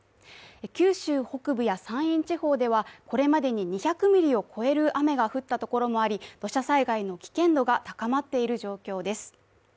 九州北部や山陰地方ではこれまでに２００ミリを超える雨が降ったところもあり土砂災害の危険度が高まっている状況です。